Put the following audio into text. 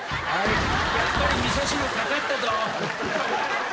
やっぱり味噌汁掛かったぞ。